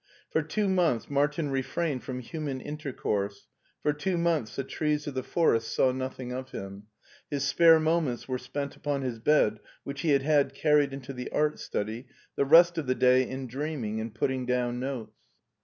For two months Martin refrained from human intercourse, for two months the trees of the forests saw nothing of him ; his spare moments were spent upon his bed, which he had had carried into the art study, the rest of the day in dream ing and putting down notes.